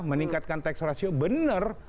meningkatkan tax ratio benar